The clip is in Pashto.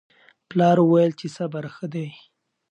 پلار وویل چې صبر ښه دی.